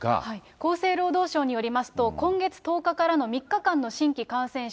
厚生労働省によりますと、今月１０日からの３日間の新規感染者